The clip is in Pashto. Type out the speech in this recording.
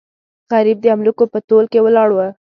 غریب د املوکو په تول کې ولاړو.